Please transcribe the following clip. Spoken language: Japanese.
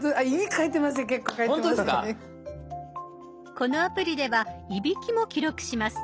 このアプリでは「いびき」も記録します。